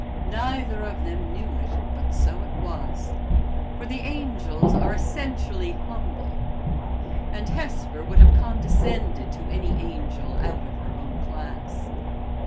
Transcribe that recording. Neither of them knew it, but so it was; for the angels are essentially humble, and Hesper would have condescended to any angel out of her own class.